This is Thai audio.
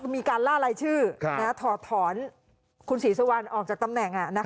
มีการล่ารายชื่อถอดถอนคุณศรีสุวรรณออกจากตำแหน่ง